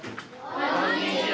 こんにちは。